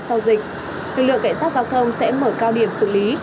sau dịch lực lượng cảnh sát giao thông sẽ mở cao điểm xử lý